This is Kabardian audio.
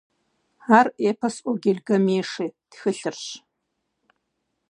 Ар «Эпос о Гильгамеше» тхылъырщ.